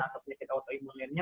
atau penyakit autoimun lainnya